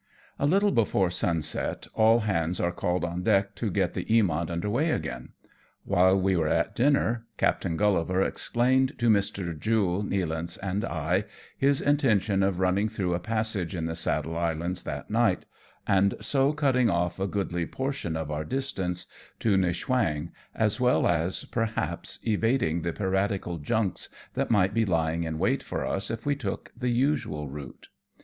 A LITTLE before sunset, all hands are called on deck to get tte Bamont under weigh again. While we were at dinner. Captain Gullivar explained to Mr. Jule, Nealance and I his intention of running through a passage in the Saddle Islands that night, and so cutting off a goodly portion of our distance to Niewchwang, as well as, perhaps, evading the piratical junks that might be lying in wait for us if we took the usual route.